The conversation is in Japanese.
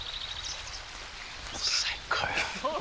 最高よ。